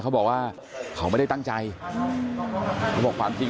เขาบอกว่าเขาไม่ได้ตั้งใจเขาบอกความจริง